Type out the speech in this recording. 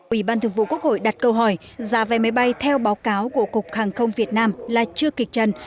ủy ban thường vụ quốc hội đặt câu hỏi giá vé máy bay theo báo cáo của cục hàng không việt nam là chưa kịch trần